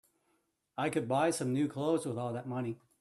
I could buy some new clothes with all that money.